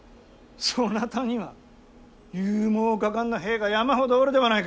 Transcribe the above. そなたには勇猛果敢な兵が山ほどおるではないか。